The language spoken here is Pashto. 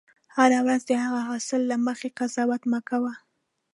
هره ورځ د هغه حاصل له مخې قضاوت مه کوه.